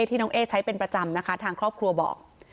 ที่น้องเอ๊ใช้เป็นประจำนะคะทางครอบครัวบอก